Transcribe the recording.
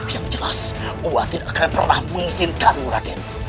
yang jelas gua tidak akan pernah mengizinkanmu raden